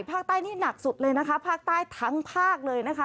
ภาคใต้นี่หนักสุดเลยนะคะภาคใต้ทั้งภาคเลยนะคะ